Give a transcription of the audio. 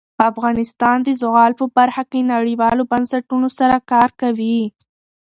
افغانستان د زغال په برخه کې نړیوالو بنسټونو سره کار کوي.